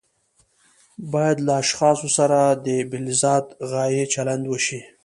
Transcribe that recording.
باید له اشخاصو سره د بالذات غایې چلند وشي.